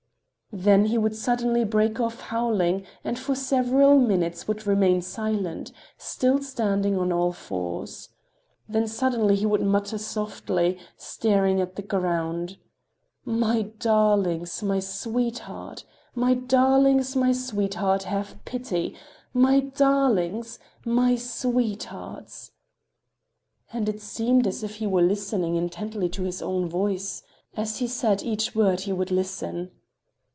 Then he would suddenly break off howling and for several minutes would remain silent, still standing on all fours. Then suddenly he would mutter softly, staring at the ground: "My darlings, my sweethearts!... My darlings, my sweethearts! have pity.... My darlings!... My sweethearts!" And it seemed again as if he were listening intently to his own voice. As he said each word he would listen.